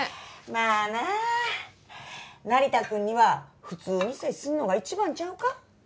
まあな成田君には普通に接するのが一番ちゃうか？